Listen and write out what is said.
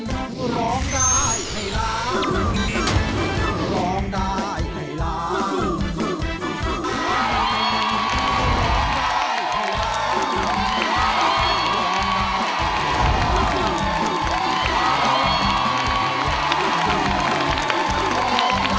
ไอล้างร้องดายไอล้าง